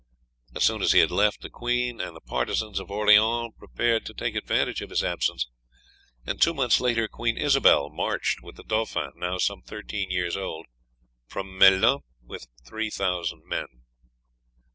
As soon as he had left, the queen and the partisans of Orleans prepared to take advantage of his absence, and two months later Queen Isobel marched with the dauphin, now some thirteen years old, from Melun with three thousand men.